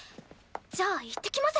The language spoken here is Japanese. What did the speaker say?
じゃあいってきます。